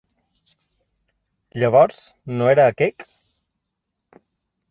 Llavors no era quec?